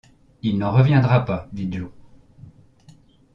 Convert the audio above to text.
Il n’en reviendra pas, dit Joe !